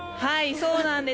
そうなんです。